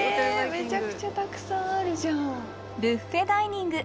めちゃくちゃたくさんあるじゃん。